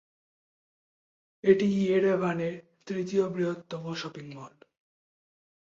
এটি ইয়েরেভানের তৃতীয় বৃহত্তম শপিং মল।